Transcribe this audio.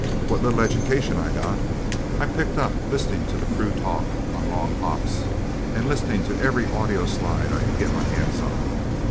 What little education I've got, I picked up listening to the crew talk on long hops and listening to every audioslide I could get my hands on.